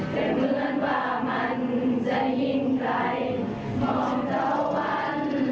แต่เหมือนว่าเป็นเพลงที่ทำให้ปอยรู้สึกสู้